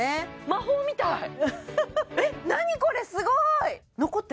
魔法みたいえっ？